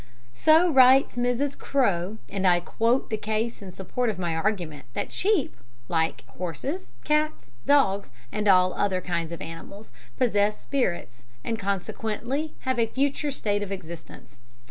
So writes Mrs. Crowe, and I quote the case in support of my argument that sheep, like horses, cats, dogs and all other kinds of animals, possess spirits, and consequently have a future state of existence.